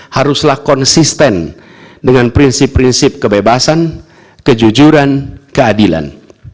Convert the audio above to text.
haruslah konsisten dengan prinsip prinsip kebebasan kejujuran keadilan